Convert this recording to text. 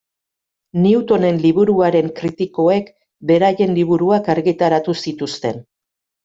Newtonen liburuaren kritikoek beraien liburuak argitaratu zituzten.